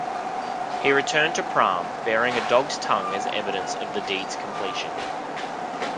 He returned to Priam bearing a dog's tongue as evidence of the deed's completion.